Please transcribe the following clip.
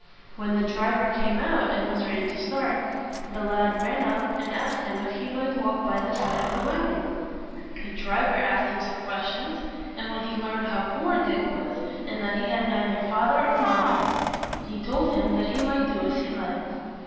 When the driver came out and was ready to start, the lad ran up and asked him if he might walk by the side of the wagon. The driver asked him some questions; and when he learned how poor Dick was, and that he had neither father nor mother, he told him that he might do as he liked.